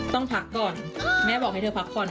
ต้องพักก่อนแม่บอกให้เธอพักผ่อน